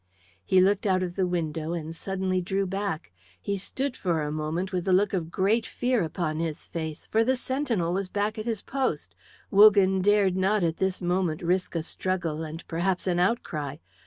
He looked out of the window and suddenly drew back. He stood for a moment with a look of great fear upon his face. For the sentinel was back at his post; Wogan dared not at this moment risk a struggle, and perhaps an outcry.